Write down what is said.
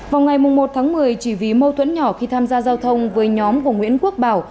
vào ngày một tháng một mươi chỉ vì mâu thuẫn nhỏ khi tham gia giao thông với nhóm của nguyễn quốc bảo